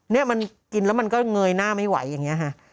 เนี่ยมันกินแล้วมันก็เงยหน้าไม่ไหวอย่างนี้ค่ะ